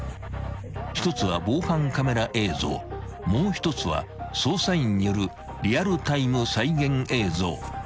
［１つは防犯カメラ映像もう１つは捜査員によるリアルタイム再現映像］